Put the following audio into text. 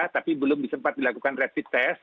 tapi belum sempat dilakukan rapid test